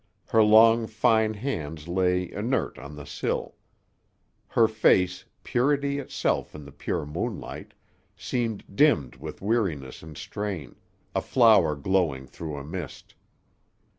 Her long fine hands lay, inert, on the sill. Her face, purity itself in the pure moonlight, seemed dimmed with weariness and strain, a flower glowing through a mist.